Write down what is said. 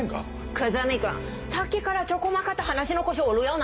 久住君さっきからちょこまかと話の腰折るよな。